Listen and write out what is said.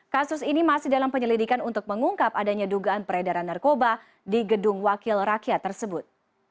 kasus ini masih dalam penyelidikan untuk mengungkap adanya dugaan peredaran narkoba di gedung wakil rakyat tersebut